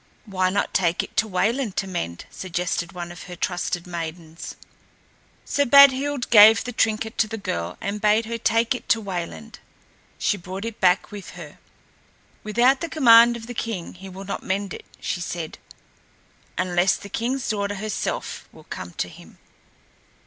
"Why not take it to Wayland to mend?" suggested one of her trusted maidens. So Badhild gave the trinket to the girl and bade her take it to Wayland. She brought it back with her. "Without the command of the king he will not mend it," she said, "unless the king's daughter herself will come to him."